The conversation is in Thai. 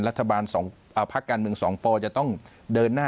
รัฐบาล๒พักการเมืองสองปจะต้องเดินหน้า